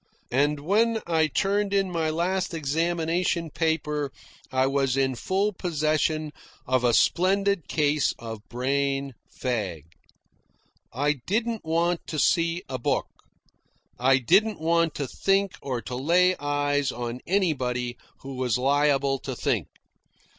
And when I turned in my last examination paper I was in full possession of a splendid case of brain fag. I didn't want to see a book. I didn't want to think or to lay eyes on anybody who was liable to think.